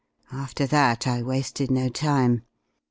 After that I wasted no time.